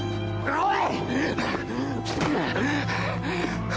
おい！